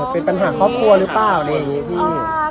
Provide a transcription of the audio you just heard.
เป็นปัญหาครอบครัวหรือเปล่า